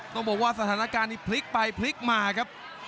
ต้องบอกว่าสถานการณ์นี้พลิกไปพลิกมาครับ